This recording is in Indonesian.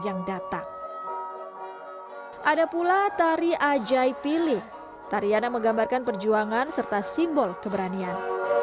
ada pula tari ajaipili tarian yang menggambarkan perjuangan serta simbol keberanian